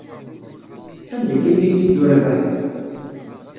Sanda akka ay la yetteddu Rabaḥ?